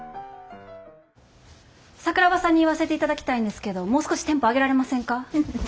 桜庭さんに言わせていただきたいんですけどもう少しテンポ上げられませんか？